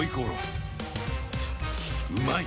うまい！